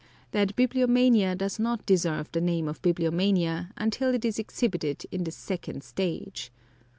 that bibliomania does not deserve the name of bibliomania until it is exhibited in the second stage.